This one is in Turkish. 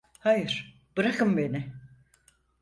Hayır, bırakın beni!